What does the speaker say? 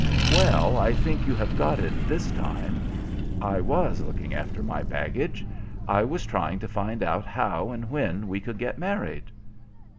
"Well, I think you have got it this time. I was looking after my baggage. I was trying to find out how and when we could get married."